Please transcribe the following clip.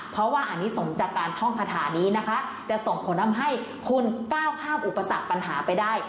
เพราะว่าอันนี้ส่งจากการท่องคาถานี้นะคะจะส่งผลทำให้คุณก้าวข้ามอุปสรรคปัญหาไปได้